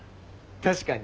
確かに。